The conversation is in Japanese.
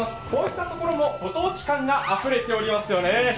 こうしたところもご当地感があふれていますよね。